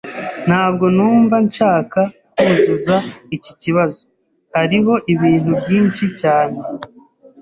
Ntabwo numva nshaka kuzuza iki kibazo. Hariho ibintu byinshi cyane.